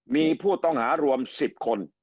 มีผู้ต้องหารวม๑๐คน